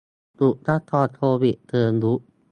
จุดคัดกรองโควิดเชิงรุก